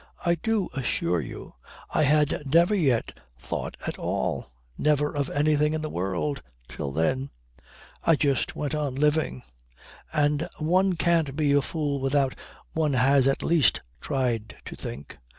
I do assure you I had never yet thought at all; never of anything in the world, till then. I just went on living. And one can't be a fool without one has at least tried to think.